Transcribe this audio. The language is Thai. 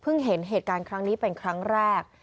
เห็นเหตุการณ์ครั้งนี้เป็นครั้งแรก